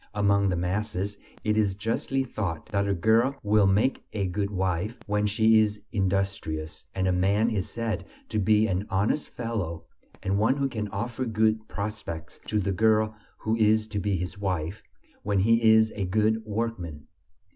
Among the masses, it is justly thought that a girl will make a good wife when she is industrious, and a man is said to be an honest fellow and one who can offer good prospects to the girl who is to be his wife, when he is a good workman.